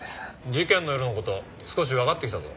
事件の夜の事少しわかってきたぞ。